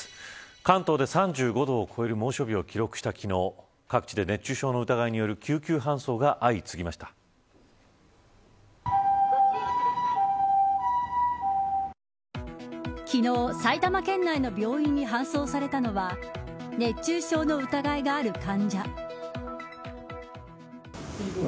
関東で３５度を超える猛暑日を記録した昨日各地で、熱中症の疑いによる緊急搬送が相次ぎまし昨日、埼玉県内の病院に搬送されたのは熱中症の疑いがある患者。